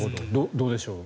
どうでしょう。